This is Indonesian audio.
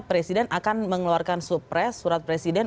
presiden akan mengeluarkan supres surat presiden